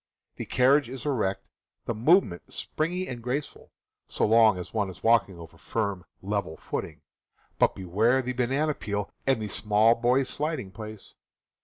The carriage is erect, the movement springy and graceful, so long as one is walking over firm, level footing — but beware the banana peel and the small boy's sliding place